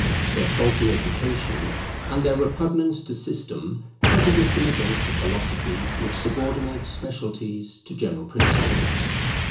Their faulty education and their repugnance to system prejudice them against a philosophy which subordinates specialities to general principles.